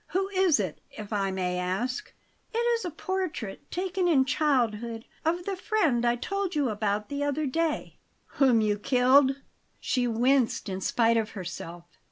Who is it, if I may ask?" "It is a portrait, taken in childhood, of the friend I told you about the other day " "Whom you killed?" She winced in spite of herself.